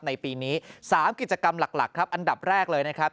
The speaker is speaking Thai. ในปีนี้๓กิจกรรมหลักครับอันดับแรกเลยนะครับ